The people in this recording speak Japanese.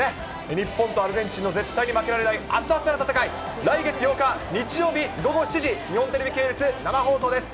日本とアルゼンチンの絶対に負けられない熱々な戦い、来月８日日曜日午後７時、日本テレビ系列、生放送です。